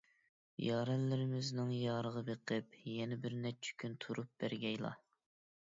يارەنلىرىمىزنىڭ رايىغا بېقىپ، يەنە بىرنەچچە كۈن تۇرۇپ بەرگەيلا.